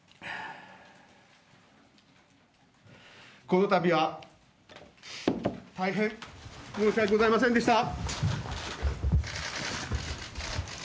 このたびは大変申し訳ございませんでした。